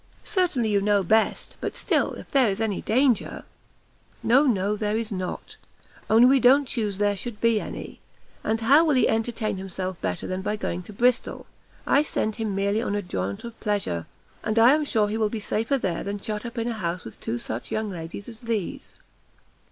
"Certainly you know best but still if there is any danger " "No, no, there is not! only we don't chuse there should be any. And how will he entertain himself better than by going to Bristol? I send him merely on a jaunt of pleasure; and I am sure he will be safer there than shut up in a house with two such young ladies as these."